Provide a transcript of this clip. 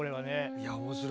いや面白いね。